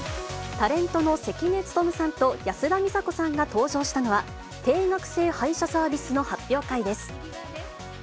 タレントの関根勤さんと安田美沙子さんが登場したのは、定額制配車サービスの発表会です。